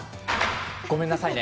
ごめんなさいね。